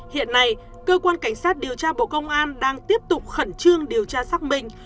hiện nay cơ quan cảnh sát điều tra bộ công an đang tiếp tục khẩn trương điều tra xác minh